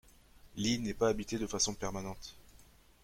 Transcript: L'île n'est pas habitée de façon permanente.